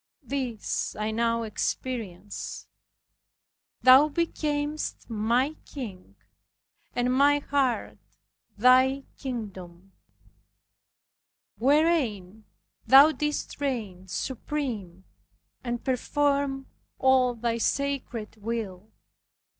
This I now experienced. Thou becamest my King, and my heart Thy kingdom, wherein Thou didst reign supreme, and performed all Thy sacred will.